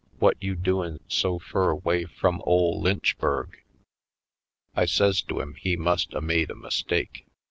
— whut you doin' so fur 'way frum ole Lynch burg?" I says to him he must a made a mistake.